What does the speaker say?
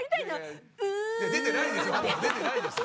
出てないです。